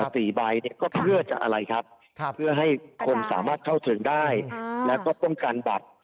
สี่ใบเนี่ยก็เพื่อจะอะไรครับเพื่อให้คนสามารถเข้าถึงได้แล้วก็ป้องกันบัตร